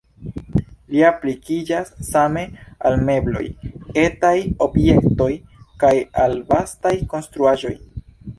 Ĝi aplikiĝas same al mebloj, etaj objektoj, kaj al vastaj konstruaĵoj.